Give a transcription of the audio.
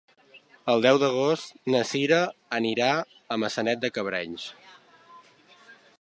El deu d'agost na Cira anirà a Maçanet de Cabrenys.